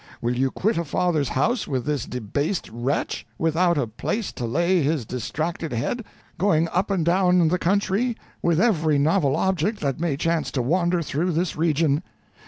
Will you quit a father's house with this debased wretch, without a place to lay his distracted head; going up and down the country, with every novel object that may chance to wander through this region.